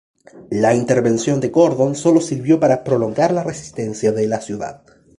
La intervención de Gordon solo sirvió para prolongar la resistencia de la ciudad.